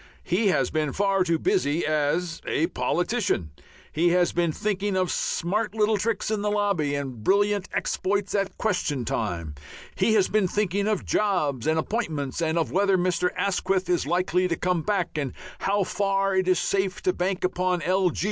He has been far too busy as a politician. He has been thinking of smart little tricks in the lobby and brilliant exploits at question time. He has been thinking of jobs and appointments, of whether Mr. Asquith is likely to "come back" and how far it is safe to bank upon L.